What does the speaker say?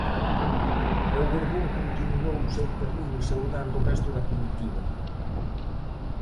E o Borbón continuou o seu camiño, saudando o resto da comitiva.